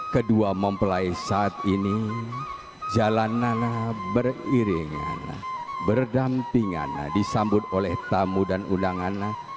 kedua mempelai saat ini jalanan beriringan berdampingan disambut oleh tamu dan undangannya